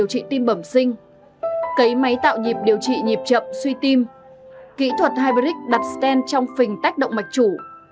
cấy máy tạo nhịp điều trị nhịp chậm suy tim kỹ thuật hybrid đặt stand trong phình tách động mạch chủ